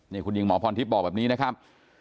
นี่คุณหญิงหมอพรทิพย์บอกแบบนี้นะครับ